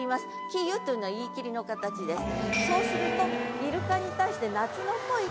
「消ゆ」というのは言い切りの形です。